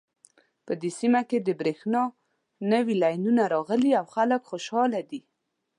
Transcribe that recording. په دې سیمه کې د بریښنا نوې لینونه راغلي او خلک خوشحاله دي